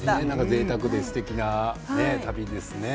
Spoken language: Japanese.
ぜいたくですてきな旅ですね。